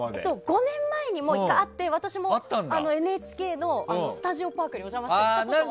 ５年前にも１回あって私もＮＨＫのスタジオパークにお邪魔したことはあって。